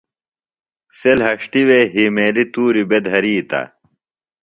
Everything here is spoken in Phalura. سےۡ لھݜٹِوے ہیمیلیۡ تُوریۡ بےۡ دھریتہ۔